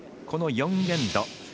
この４エンド